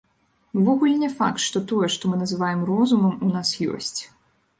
Увогуле не факт, што тое, што мы называем розумам, у нас ёсць.